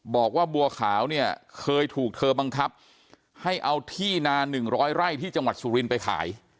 บอกว่าบัวขาวเนี่ยเคยถูกเธอบังคับให้เอาที่นาน๑๐๐ไร่ที่จังหวัดสุรินทร์ไปขาย